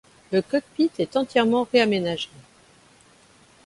Le cockpit est entièrement réaménagé.